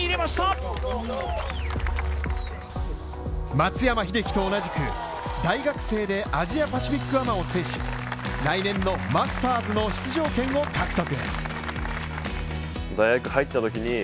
松山英樹と同じく大学生で、アジアパシフィックアマを制し、来年のマスターズの出場権を獲得。